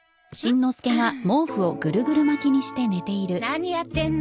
何やってんの？